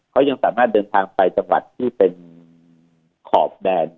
เขายังสามารถเดินทางไปจังหวัดที่เป็นขอบแดน